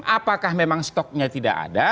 apakah memang stoknya tidak ada